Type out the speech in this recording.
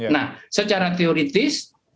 nah secara teoritis